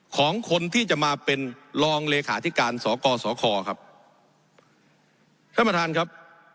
ของคนที่จะมาเป็นรองเลขาธิการสกสคครับท่านประธานครับ